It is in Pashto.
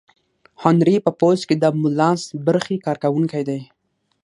هنري په پوځ کې د امبولانس برخې کارکوونکی دی.